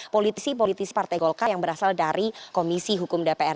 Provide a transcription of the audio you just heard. politisi politis partai golkar yang berasal dari komisi hukum dpr